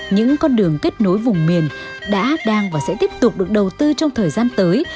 những con đường kết nối vùng miền đã đang và sẽ tiếp tục được đầu tư trong thời gian tới